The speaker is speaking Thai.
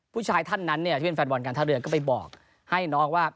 ผู้ชายท่านนั้นเนี่ยที่เป็นแฟนบอลการท่าเรือก็ไปบอกให้น้องว่า